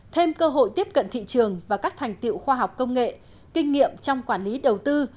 thêm cơ hội tiếp cận thị trường và các thành tiệu khoa học công nghệ kinh nghiệm trong quản lý đầu tư